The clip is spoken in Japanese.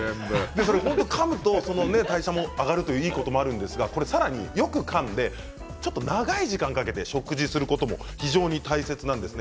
かむと代謝が上がっていいことがあるんですがよくかんで長い時間かけて食事をすることも非常に大切なんですね。